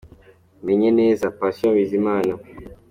Menye neza – Patient Bizimana e.